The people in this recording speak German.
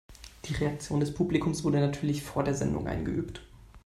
Die Reaktion des Publikums wurde natürlich vor der Sendung eingeübt.